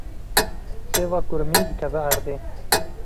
Sêva kurmî dikeve erdê.